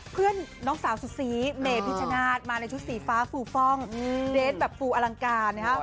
เพื่อนน้องสาวสุดซีเมพิชนาธิ์มาในชุดสีฟ้าฟูฟ่องเดทแบบฟูอลังการนะครับ